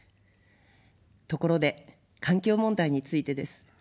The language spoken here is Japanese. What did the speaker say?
ところで環境問題についてです。